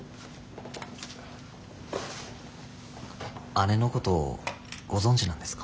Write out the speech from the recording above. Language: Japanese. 姉のことご存じなんですか？